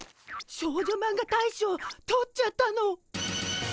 少女マンガ大賞とっちゃったの。